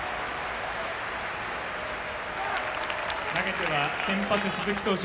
投げては先発、鈴木投手